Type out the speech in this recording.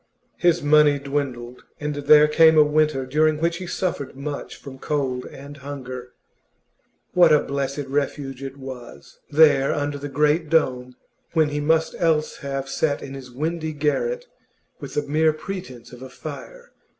His money dwindled, and there came a winter during which he suffered much from cold and hunger. What a blessed refuge it was, there under the great dome, when he must else have sat in his windy garret with the mere pretence of a fire!